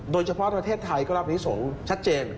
โดยเฉพาะประเทศไทยก็รับนิสงฆ์ชัดเจน